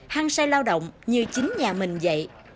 hăng say lao động như chính nhà mình vậy